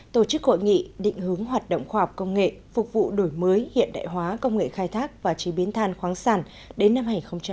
tổ chức hội nghị định hướng hoạt động khoa học công nghệ phục vụ đổi mới hiện đại hóa công nghệ khai thác và chế biến than khoáng sản đến năm hai nghìn ba mươi